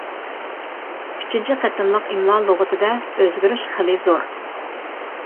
ئۈچىنچى قېتىملىق ئىملا لۇغىتىدە ئۆزگىرىش خېلى زور.